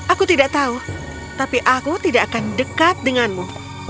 aku tidak tahu tapi aku tidak akan dekat denganmu